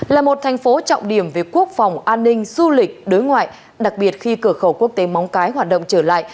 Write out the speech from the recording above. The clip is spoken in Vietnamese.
là một thành phố trọng điểm về quốc phòng an ninh du lịch đối ngoại đặc biệt khi cửa khẩu quốc tế móng cái hoạt động trở lại